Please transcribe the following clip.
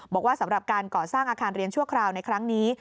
บอกว่าสำหรับการก่อสร้างอาคารเรียนชั่วคราวในครั้งนี้